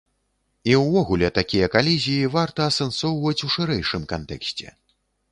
І ўвогуле такія калізіі варта асэнсоўваць у шырэйшым кантэксце.